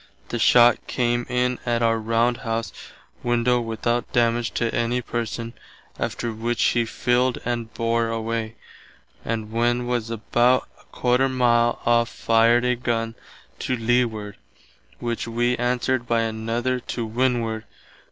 The shott come in at our round house window without damage to any person, after which he filled and bore away, and when was about ¼ mile off fired a gunn to leeward, which wee answered by another to windward.